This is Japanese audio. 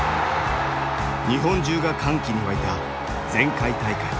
日本中が歓喜に沸いた前回大会。